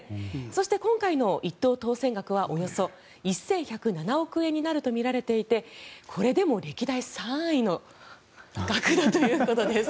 そして今回の１等当選額はおよそ１１０７億円になるとみられていてこれでも歴代３位の額だということです。